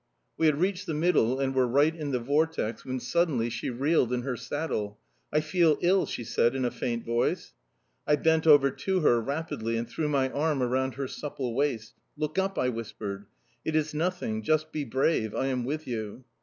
We had reached the middle and were right in the vortex, when suddenly she reeled in her saddle. "I feel ill!" she said in a faint voice. I bent over to her rapidly and threw my arm around her supple waist. "Look up!" I whispered. "It is nothing; just be brave! I am with you."